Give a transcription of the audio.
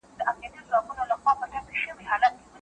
یوه څېړنه ښايي د فقر کچه څرګنده کړي.